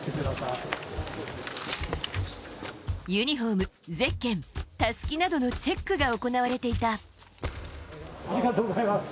ユニホーム、ゼッケンたすきなどのチェックが行われていた。